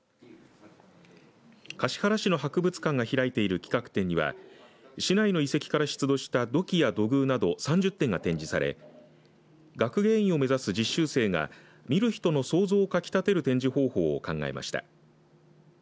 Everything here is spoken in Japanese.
橿原市の博物館が開いている企画展には市内の遺跡から出土した土器や土偶など３０点が展示され学芸員を目指す実習生が見る人の想像をかきたてる展示方法を考えました。